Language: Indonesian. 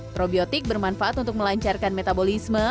probiotik bermanfaat untuk melancarkan metabolisme